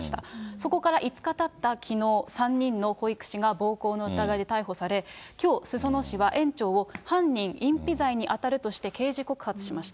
そこから５日たったきのう、３人の保育士が暴行の疑いで逮捕され、きょう裾野市は、園長を犯人隠避罪に当たるとして刑事告発しました。